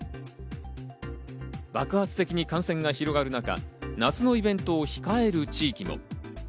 爆発的に感染が広がる中、夏のイベントを控える地域も。